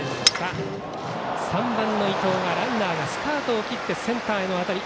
３番、伊藤がランナーがスタートを切ってセンターへの当たり。